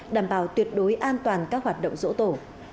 đảm bảo tuyệt đối an toàn các hoạt động dỗ tổ